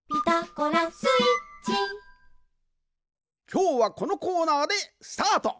きょうはこのコーナーでスタート！